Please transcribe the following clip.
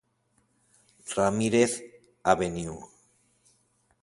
Ramírez, Av.